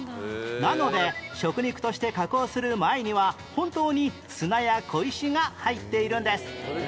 なので食肉として加工する前には本当に砂や小石が入っているんです